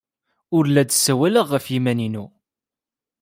Ur la d-ssawaleɣ ɣef yiman-inu.